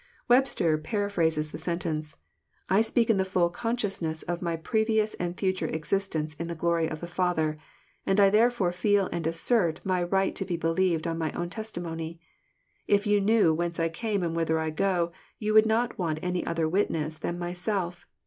Webster paraphrases the sentence :" I speak in the ftill consciousness of my previous and future existence in the glory of the Father; and I therefore feel and assert my right to be believed on my own testimony. If you knew whence I came and whither I go, you would not want any other witness than myself.